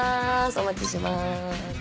お待ちしてます。